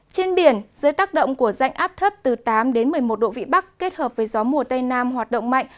trên biển dưới tác động của dạnh áp thấp từ tám đến một mươi một độ vị bắc kết hợp với gió mùa tây nam hoạt động mạnh